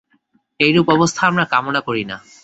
এইরূপ অবস্থা আমরা কামনা করি না।